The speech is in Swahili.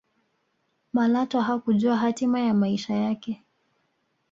malatwa hakujua hatima ya maisha yake